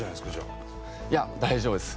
いや大丈夫です。